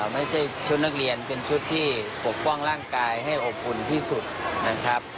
ไม่ใช่ชุดนักเรียนเป็นชุดที่ปกป้องร่างกายให้อบอุ่นที่สุดนะครับ